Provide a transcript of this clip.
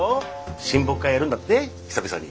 親睦会やるんだって久々に。